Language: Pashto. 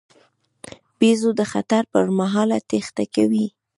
بیزو د خطر پر مهال تېښته کوي.